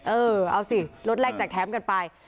เออเอาสิรถแรกแจกแถมกันไป